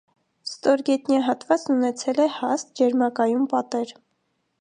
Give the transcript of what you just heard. Ստորգետնյա հատվածն ունեցել է հաստ, ջերմակայուն պատեր։